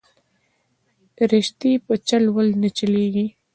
رشتې په چل ول نه چلېږي